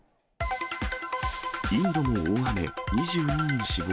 インドも大雨、２２人死亡。